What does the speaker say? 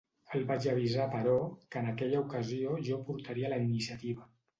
El vaig avisar però, que en aquella ocasió jo portaria la iniciativa.